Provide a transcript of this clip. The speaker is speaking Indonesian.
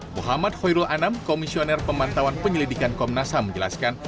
muhammad khoyrul anam komisioner pemantauan penyelidikan komnasam menjelaskan